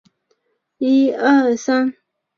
该寺又被列为汉族地区佛教全国重点寺院。